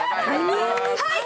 はい！